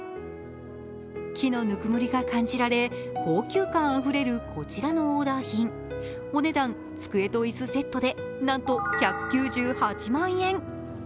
木の温もりが感じられ、高級感あふれるこちらのオーダー品、お値段、机と椅子セットでなんと１９８万円。